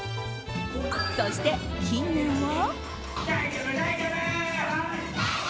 そして近年は。